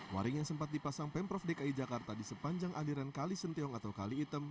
waring yang sempat dipasang pemprov dki jakarta di sepanjang aliran kali sentiong atau kali item